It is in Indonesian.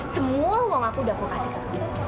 semua uang aku udah aku kasih ke kamu